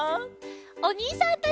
おにいさんたち！